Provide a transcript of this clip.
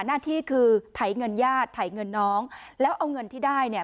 หน้าที่คือไถเงินญาติถ่ายเงินน้องแล้วเอาเงินที่ได้เนี่ย